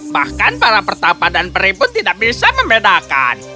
bahkan para pertapa dan peri pun tidak bisa membedakan